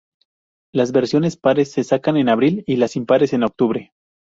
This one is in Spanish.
Las versiones pares se sacan en abril, y las impares en octubre.